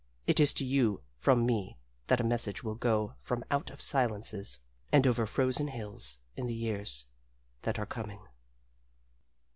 It is to you from me that a message will go from out of silences and over frozen hills in the years that are coming.